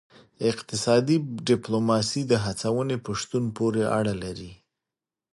اقتصادي ډیپلوماسي د هڅونې په شتون پورې اړه لري